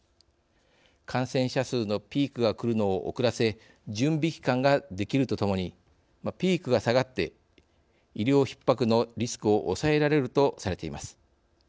感染者数のピークが来るのを遅らせ準備期間ができるとともにピークが下がって医療ひっ迫のリスクを抑えられるとされています。